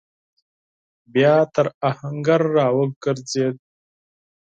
بيا تر آهنګر راوګرځېد.